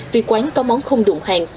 vì quán có món không đụng hàng